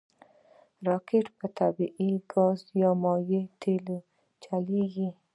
راکټ په طبعي ګاز یا مایع تېلو چلیږي